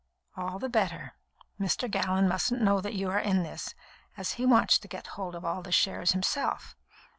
"All the better. Mr. Gallon mustn't know you are in this, as he wants to get hold of all the shares himself.